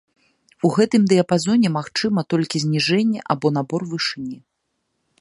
У гэтым дыяпазоне магчыма толькі зніжэнне або набор вышыні.